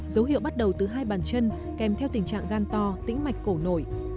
dấu hiệu bắt đầu từ hai bàn chân kèm theo tình trạng gan to tĩnh mạch cổ nổi